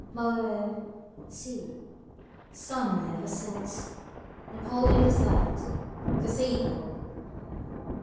Maurer see. Sun never sets. Napoleon the third, cathedral.